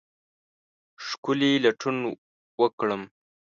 ښکلې لټون وکرم